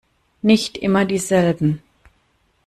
Nicht immer dieselben!